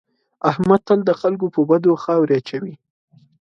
احمد تل د خلکو په بدو خاورې اچوي.